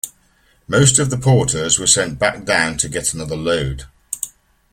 Most of the porters were sent back down to get another load.